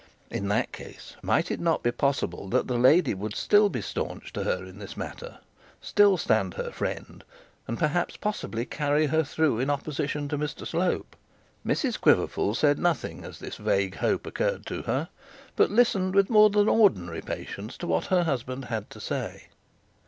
In that case, might it not be possible that that lady would still be staunch to her in this matter, still stand her friend, and, perhaps, possibly carry her through in opposition to Mr Slope? Mrs Quiverful said nothing as this vague hope occurred to her, but listened with more than ordinary patience to what her husband had to say.